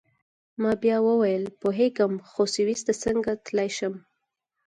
ما بیا وویل: پوهیږم، خو سویس ته څنګه تلای شم؟